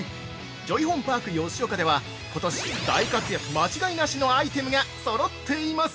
ジョイホンパーク吉岡では、ことし、大活躍間違いなしのアイテムがそろっています。